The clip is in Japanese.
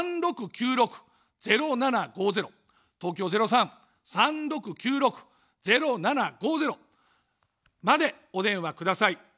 東京０３３６９６０７５０、東京０３３６９６０７５０までお電話ください。